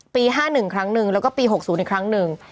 ๕๑ครั้งหนึ่งแล้วก็ปี๖๐อีกครั้งหนึ่ง